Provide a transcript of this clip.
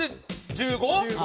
１５。